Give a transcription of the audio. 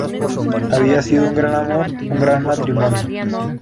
Había sido un gran amor, un gran matrimonio"".